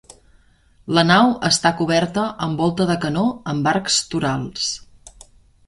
La nau està coberta amb volta de canó amb arcs torals.